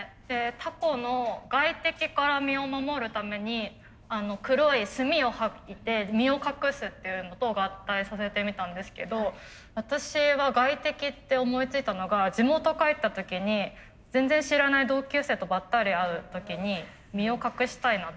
タコの外敵から身を守るために黒い墨を吐いて身を隠すっていうのと合体させてみたんですけど私は外敵って思いついたのが地元帰った時に全然知らない同級生とばったり会う時に身を隠したいなと思ったんですよ。